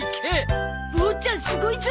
ボーちゃんすごいゾ。